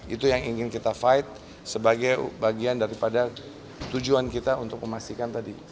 itu yang ingin kita fight sebagai bagian daripada tujuan kita untuk memastikan tadi